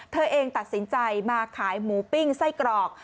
เธอเองตัดสินใจมาขายหมูปิ้งไส้กรอก